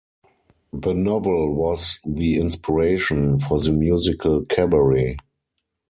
The novel was the inspiaration for the musical Cabaret.